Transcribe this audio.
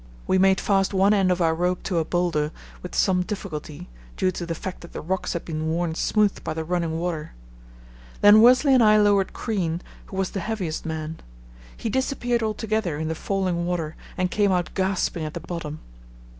We made fast one end of our rope to a boulder with some difficulty, due to the fact that the rocks had been worn smooth by the running water. Then Worsley and I lowered Crean, who was the heaviest man. He disappeared altogether in the falling water and came out gasping at the bottom.